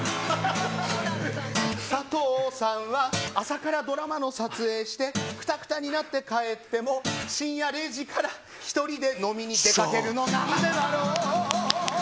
佐藤さんは朝からドラマの撮影してくたくたになって帰っても深夜０時から１人で飲みに出かけるのなんでだろう？